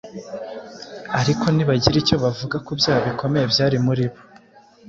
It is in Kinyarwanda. ariko ntibagira icyo bavuga ku byaha bikomeye byari muri bo.